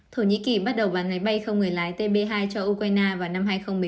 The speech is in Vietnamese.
thổ nhĩ kỳ bắt đầu bán máy bay không người lái tb hai cho ukraine vào năm hai nghìn một mươi tám